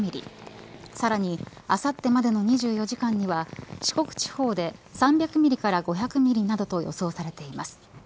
さらにあさってまでの２４時間には四国地方で３００ｍｍから５００ｍｍなどと予想されています。